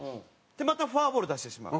またフォアボール出してしまう。